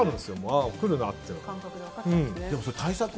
ああ、来るなって。